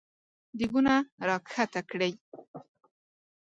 دېګونه راکښته کړی !